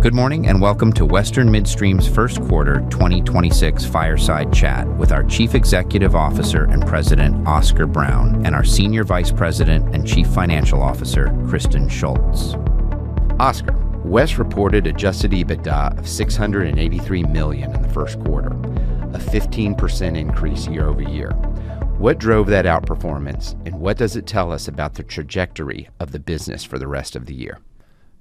Good morning, and welcome to Western Midstream's first quarter 2026 fireside chat with our Chief Executive Officer and President, Oscar Brown, and our Senior Vice President and Chief Financial Officer, Kristen Shults. Oscar, WES reported Adjusted EBITDA of $683 million in the first quarter, a 15% increase year-over-year. What drove that outperformance, and what does it tell us about the trajectory of the business for the rest of the year?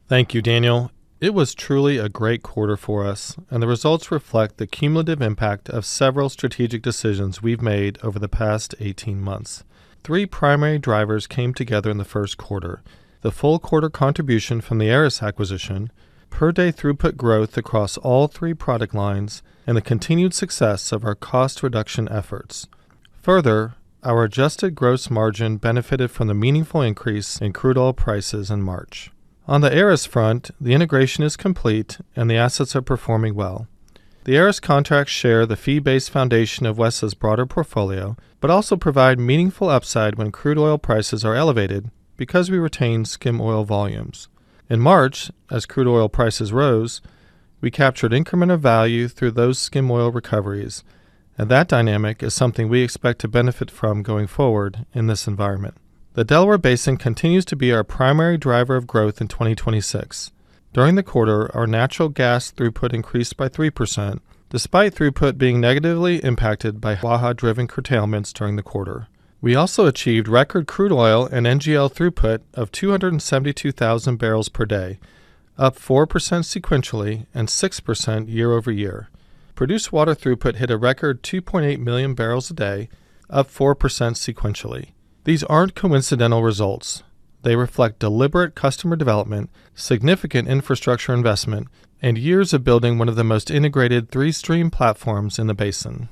Thank you, Daniel. It was truly a great quarter for us, and the results reflect the cumulative impact of several strategic decisions we've made over the past 18 months. Three primary drivers came together in the first quarter: the full quarter contribution from the Aris acquisition, per-day throughput growth across all three product lines, and the continued success of our cost reduction efforts. Further, our Adjusted Gross Margin benefited from the meaningful increase in crude oil prices in March. On the Aris front, the integration is complete and the assets are performing well. The Aris contracts share the fee-based foundation of WES's broader portfolio, but also provide meaningful upside when crude oil prices are elevated because we retain skim oil volumes. In March, as crude oil prices rose, we captured incremental value through those skim oil recoveries, and that dynamic is something we expect to benefit from going forward in this environment. The Delaware Basin continues to be our primary driver of growth in 2026. During the quarter, our natural gas throughput increased by 3% despite throughput being negatively impacted by Waha-driven curtailments during the quarter. We also achieved record crude oil and NGL throughput of 272,000 bbl per day, up 4% sequentially and 6% year-over-year. Produced water throughput hit a record 2.8 MMbpd, up 4% sequentially. These aren't coincidental results. They reflect deliberate customer development, significant infrastructure investment, and years of building one of the most integrated three-stream platforms in the basin.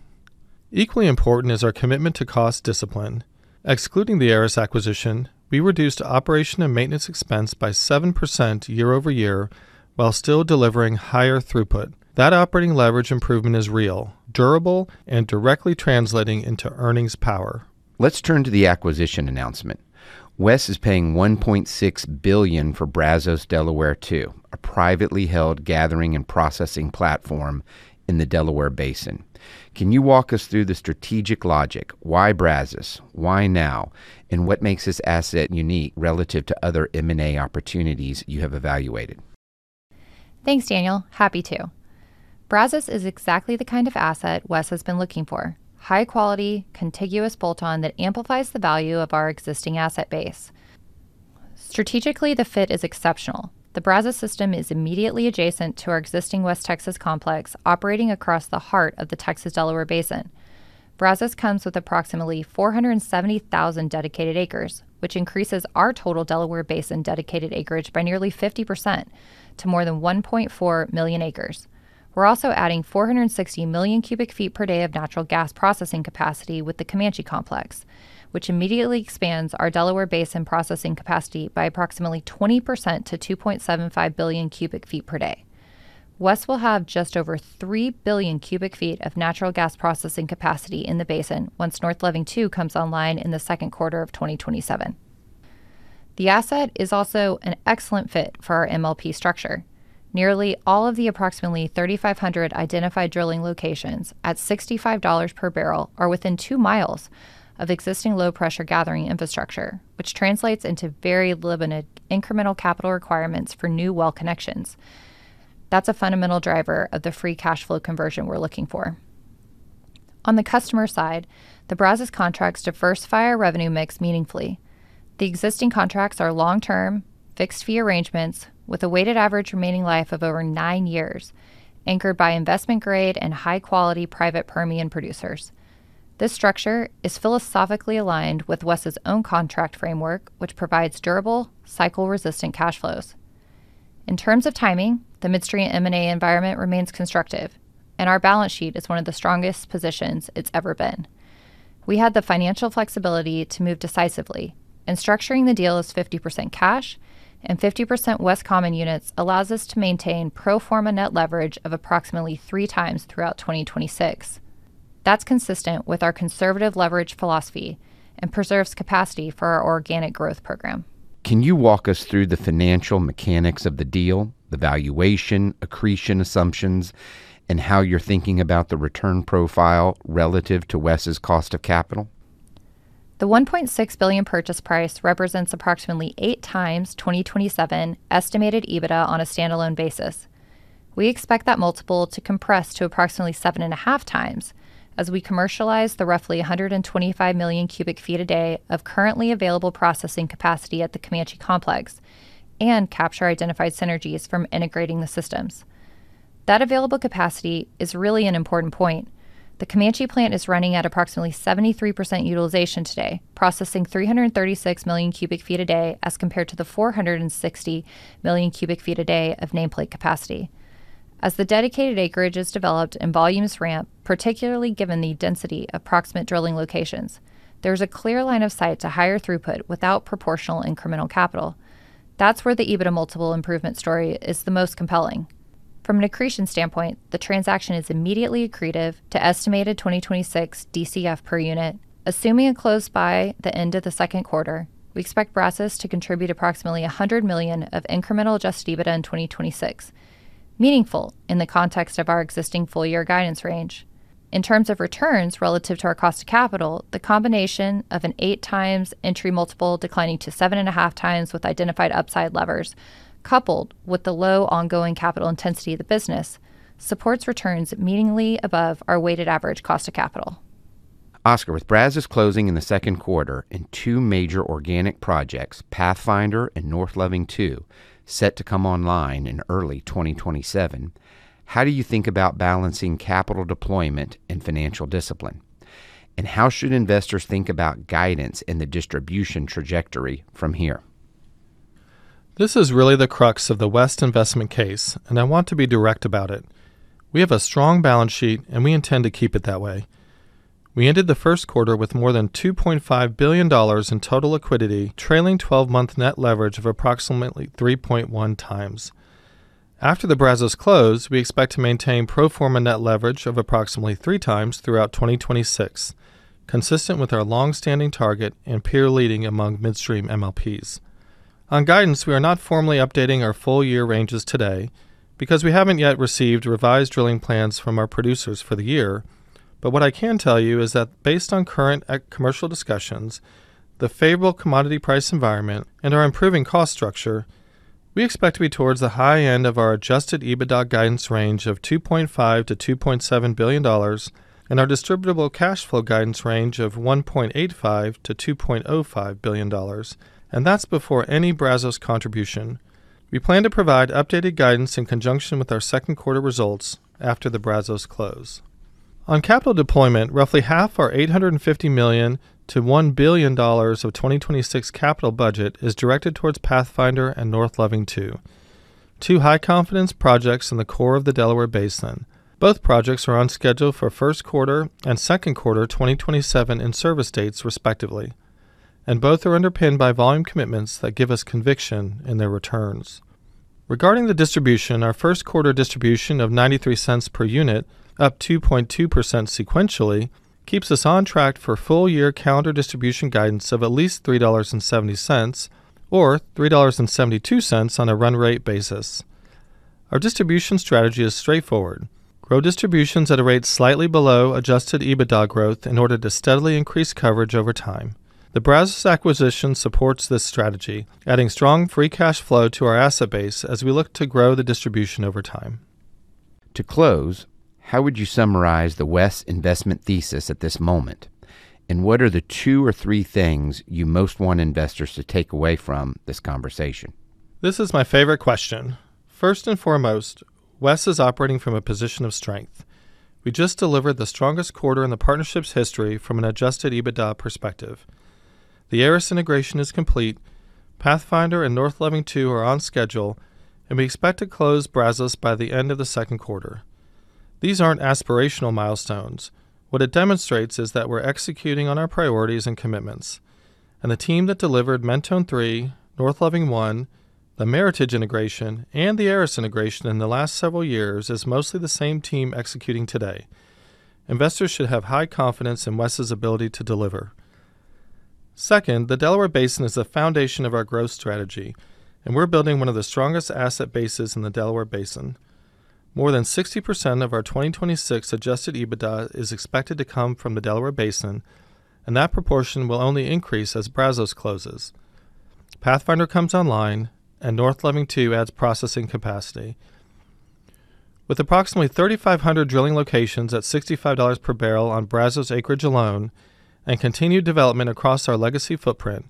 Equally important is our commitment to cost discipline. Excluding the Aris acquisition, we reduced operation and maintenance expense by 7% year-over-year while still delivering higher throughput. That operating leverage improvement is real, durable, and directly translating into earnings power. Let's turn to the acquisition announcement. WES is paying $1.6 billion for Brazos Delaware II, a privately held gathering and processing platform in the Delaware Basin. Can you walk us through the strategic logic? Why Brazos? Why now? What makes this asset unique relative to other M&A opportunities you have evaluated? Thanks, Daniel. Happy to. Brazos is exactly the kind of asset WES has been looking for. High quality, contiguous bolt-on that amplifies the value of our existing asset base. Strategically, the fit is exceptional. The Brazos system is immediately adjacent to our existing West Texas complex operating across the heart of the Texas Delaware Basin. Brazos comes with approximately 470,000 dedicated acres, which increases our total Delaware Basin dedicated acreage by nearly 50% to more than 1.4 million acres. We're also adding 460 million cu ft per day of natural gas processing capacity with the Comanche Complex, which immediately expands our Delaware Basin processing capacity by approximately 20% to 2.75 billion cu ft per day. WES will have just over 3 billion cu ft of natural gas processing capacity in the basin once North Loving II comes online in the second quarter of 2027. The asset is also an excellent fit for our MLP structure. Nearly all of the approximately 3,500 identified drilling locations at $65 per barrel are within 2 mi of existing low-pressure gathering infrastructure, which translates into very limited incremental capital requirements for new well connections. That's a fundamental driver of the free cash flow conversion we're looking for. On the customer side, the Brazos contracts diversify our revenue mix meaningfully. The existing contracts are long-term fixed fee arrangements with a weighted average remaining life of over nine years, anchored by investment-grade and high-quality private Permian producers. This structure is philosophically aligned with WES's own contract framework, which provides durable cycle-resistant cash flows. In terms of timing, the midstream M&A environment remains constructive, and our balance sheet is one of the strongest positions it's ever been. We had the financial flexibility to move decisively, and structuring the deal as 50% cash and 50% WES common units allows us to maintain pro forma net leverage of approximately three times throughout 2026. That's consistent with our conservative leverage philosophy and preserves capacity for our organic growth program. Can you walk us through the financial mechanics of the deal, the valuation, accretion assumptions, and how you're thinking about the return profile relative to WES's cost of capital? The $1.6 billion purchase price represents approximately eight times 2027 estimated EBITDA on a standalone basis. We expect that multiple to compress to approximately 7.5 times as we commercialize the roughly 125 million cu ft a day of currently available processing capacity at the Comanche Complex and capture identified synergies from integrating the systems. That available capacity is really an important point. The Comanche plant is running at approximately 73% utilization today, processing 336 million cu ft a day as compared to the 460 million cu ft a day of nameplate capacity. As the dedicated acreage is developed and volumes ramp, particularly given the density of proximate drilling locations, there's a clear line of sight to higher throughput without proportional incremental capital. That's where the EBITDA multiple improvement story is the most compelling. From an accretion standpoint, the transaction is immediately accretive to estimated 2026 DCF per unit. Assuming a close by the end of the second quarter, we expect Brazos to contribute approximately $100 million of incremental Adjusted EBITDA in 2026, meaningfully in the context of our existing full year guidance range. In terms of returns relative to our cost of capital, the combination of an eight times entry multiple declining to 7.5 times with identified upside levers, coupled with the low ongoing capital intensity of the business, supports returns meaningfully above our weighted average cost of capital. Oscar, with Brazos closing in the second quarter and two major organic projects, Pathfinder and North Loving II, set to come online in early 2027, how do you think about balancing capital deployment and financial discipline? How should investors think about guidance in the distribution trajectory from here? This is really the crux of the WES investment case. I want to be direct about it. We have a strong balance sheet. We intend to keep it that way. We ended the first quarter with more than $2.5 billion in total liquidity, trailing 12-month net leverage of approximately 3.1 times. After the Brazos close, we expect to maintain pro forma net leverage of approximately three times throughout 2026, consistent with our long-standing target and peer leading among midstream MLPs. On guidance, we are not formally updating our full year ranges today because we haven't yet received revised drilling plans from our producers for the year. What I can tell you is that based on current commercial discussions, the favorable commodity price environment and our improving cost structure, we expect to be towards the high end of our Adjusted EBITDA guidance range of $2.5 billion-$2.7 billion and our distributable cash flow guidance range of $1.85 billion-$2.5 billion, and that's before any Brazos contribution. We plan to provide updated guidance in conjunction with our second quarter results after the Brazos close. On capital deployment, roughly half our $850 million-$1 billion of 2026 capital budget is directed towards Pathfinder and North Loving II, two high confidence projects in the core of the Delaware Basin. Both projects are on schedule for first quarter and second quarter 2027 in service dates, respectively, and both are underpinned by volume commitments that give us conviction in their returns. Regarding the distribution, our first quarter distribution of $0.93 per unit, up 2.2% sequentially, keeps us on track for full year calendar distribution guidance of at least $3.70 or $3.72 on a run rate basis. Our distribution strategy is straightforward. Grow distributions at a rate slightly below Adjusted EBITDA growth in order to steadily increase coverage over time. The Brazos acquisition supports this strategy, adding strong free cash flow to our asset base as we look to grow the distribution over time. To close, how would you summarize the WES investment thesis at this moment? What are the two or three things you most want investors to take away from this conversation? This is my favorite question. First and foremost, WES is operating from a position of strength. We just delivered the strongest quarter in the partnership's history from an Adjusted EBITDA perspective. The Aris integration is complete. Pathfinder and North Loving II are on schedule, and we expect to close Brazos by the end of the second quarter. These aren't aspirational milestones. What it demonstrates is that we're executing on our priorities and commitments. The team that delivered Mentone III, North Loving I, the Meritage integration, and the Aris integration in the last several years is mostly the same team executing today. Investors should have high confidence in WES's ability to deliver. Second, the Delaware Basin is the foundation of our growth strategy, and we're building one of the strongest asset bases in the Delaware Basin. More than 60% of our 2026 Adjusted EBITDA is expected to come from the Delaware Basin, and that proportion will only increase as Brazos closes. Pathfinder comes online, and North Loving II adds processing capacity. With approximately 3,500 drilling locations at $65 per barrel on Brazos acreage alone and continued development across our legacy footprint,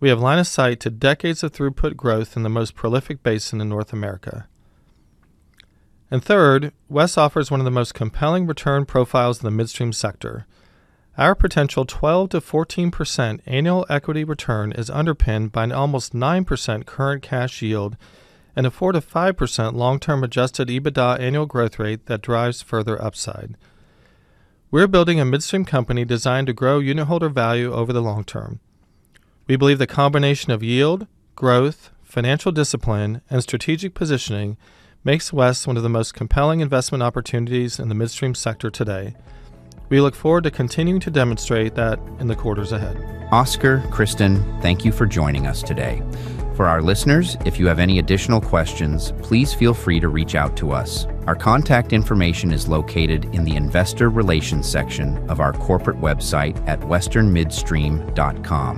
we have line of sight to decades of throughput growth in the most prolific basin in North America. Third, WES offers one of the most compelling return profiles in the midstream sector. Our potential 12%-14% annual equity return is underpinned by an almost 9% current cash yield and a 4%-5% long-term Adjusted EBITDA annual growth rate that drives further upside. We're building a midstream company designed to grow unitholder value over the long term. We believe the combination of yield, growth, financial discipline, and strategic positioning makes WES one of the most compelling investment opportunities in the midstream sector today. We look forward to continuing to demonstrate that in the quarters ahead. Oscar, Kristen, thank you for joining us today. For our listeners, if you have any additional questions, please feel free to reach out to us. Our contact information is located in the investor relations section of our corporate website at westernmidstream.com.